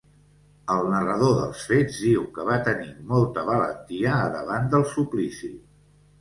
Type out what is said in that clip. El narrador dels fets diu que van tenir molta valentia a davant del suplici.